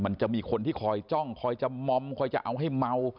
มันจะมีคนที่คอยจ้องคอยจะมอมคอยจะเอาให้เมา